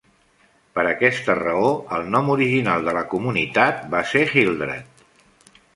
Per aquesta raó, el nom original de la comunitat va ser Hildreth.